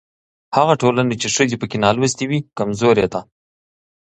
هغه ټولنه چې ښځې پکې نالوستې وي کمزورې ده.